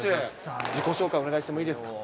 自己紹介をお願いしてもいいですか。